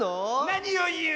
なにをいう！